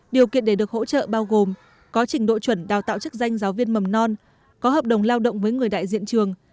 điều kiện để được hỗ trợ bao gồm có trình độ chuẩn đào tạo chức danh giáo viên mầm non có hợp đồng lao động với người đại diện trường